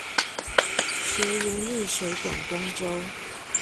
學如逆水廣東粥